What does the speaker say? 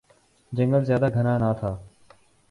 جنگل زیادہ گھنا نہ تھا